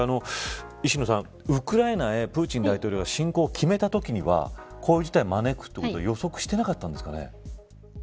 石野さん、ウクライナにプーチン大統領が侵攻を決めたときにはこういう事態を招くことは予測してなかったんですかね。